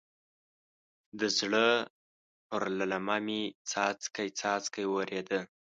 د زړه پر للمه مې څاڅکی څاڅکی ورېده.